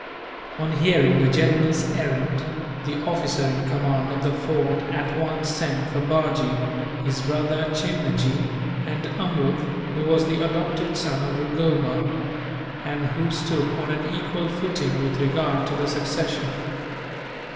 On hearing the general's errand, the officer in command of the fort at once sent for Bajee, his brother Chimnajee, and Amrud who was the adopted son of Rugoba, and who stood on an equal footing with regard to the succession.